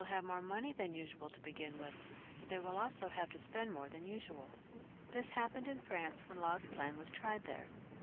ve more money than usual to begin with, but they will also have to spend more than usuaL This happened in France when Law's plan was tried there.